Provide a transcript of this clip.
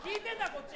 こっち